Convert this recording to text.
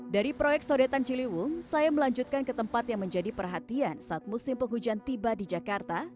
dari proyek sodetan ciliwung saya melanjutkan ke tempat yang menjadi perhatian saat musim penghujan tiba di jakarta